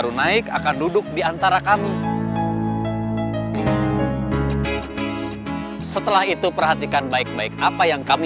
ketika ada penumpang naik saya dan risa akan memberi ruang untuk kembali ke angkot